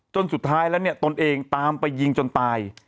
จนสุดท้ายแล้วเนี่ยตนเองตามไปยิงจนตาย